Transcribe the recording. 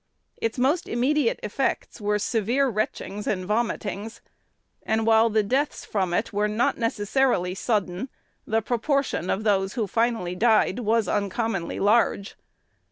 Its most immediate effects were severe retchings and vomitings; and, while the deaths from it were not necessarily sudden, the proportion of those who finally died was uncommonly large.